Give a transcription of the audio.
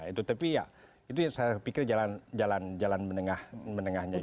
itu tapi ya itu yang saya pikir jalan jalan menengahnya juga